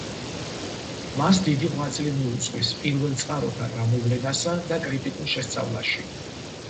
მას დიდი ღვაწლი მიუძღვის პირველწყაროთა გამოვლენასა და კრიტიკულ შესწავლაში.